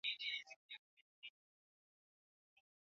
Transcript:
K kuendelea huku nchini kwao anasema kwamba hile gazeti la sunday times